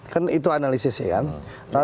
kan itu analisisnya kan